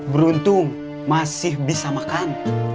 beruntung masih bisa makan